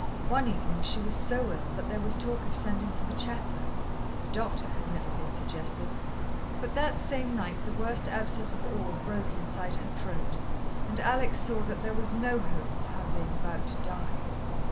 One evening she was so ill that there was talk of sending for the chaplain the doctor had never been suggested but that same night the worst abscess of all broke inside her throat, and Alex saw that there was no hope of her being about to die.